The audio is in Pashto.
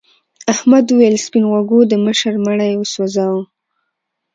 احمد وویل سپین غوږو د مشر مړی وسوځاوه.